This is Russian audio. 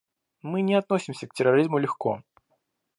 Мы не относимся к терроризму легко.